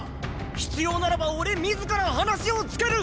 必要ならば俺自ら話をつける！